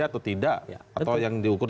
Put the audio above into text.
atau tidak atau yang diukur